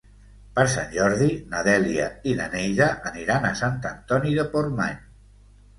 Per Sant Jordi na Dèlia i na Neida aniran a Sant Antoni de Portmany.